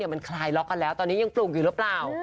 มันคลายล็อกกันแล้วตอนนี้ยังปลูกอยู่หรือเปล่า